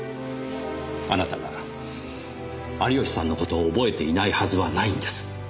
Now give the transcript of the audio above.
あなたが有吉さんのことを憶えていないはずはないんです。